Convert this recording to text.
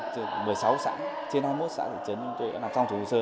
trên một mươi sáu xã trên hai mươi một xã hội tỉnh chúng tôi đã làm thủ tục hồ sơ